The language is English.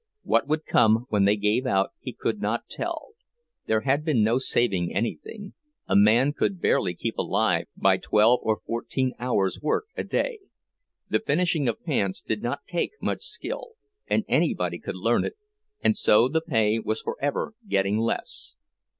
What would come when they gave out he could not tell; there had been no saving anything—a man could barely keep alive by twelve or fourteen hours' work a day. The finishing of pants did not take much skill, and anybody could learn it, and so the pay was forever getting less.